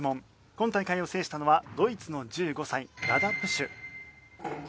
今大会を制したのはドイツの１５歳ラダ・プシュ。